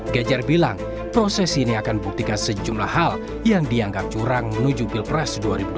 ganjar bilang proses ini akan buktikan sejumlah hal yang dianggap curang menuju pilpres dua ribu dua puluh